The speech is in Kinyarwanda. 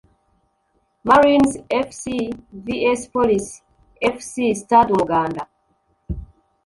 Marines Fc vs Police Fc (Stade Umuganda)